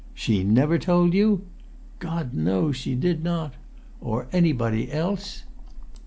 "She never told you?" "God knows she did not." "Or anybody else?"